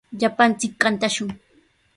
Llapanchik kantashun.